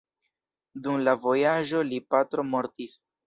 Dum la vojaĝo lia patro mortis.